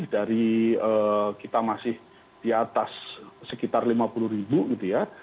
dari kita masih di atas sekitar lima puluh ribu gitu ya